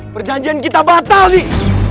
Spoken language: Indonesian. perjanjian kita batal nih